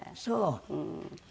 そう。